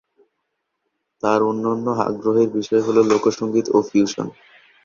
তার অন্যান্য আগ্রহের বিষয় হল লোকসঙ্গীত ও ফিউশন।